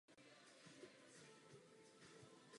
Třikrát startovala na evropském halovém šampionátu.